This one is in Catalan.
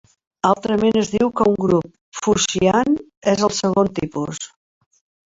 Altrament, es diu que un grup Fuchsian és del segon tipus.